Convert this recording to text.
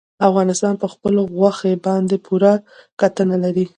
افغانستان په خپلو غوښې باندې پوره تکیه لري.